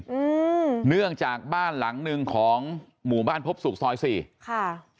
อืมเนื่องจากบ้านหลังหนึ่งของหมู่บ้านพบศุกร์ซอยสี่ค่ะ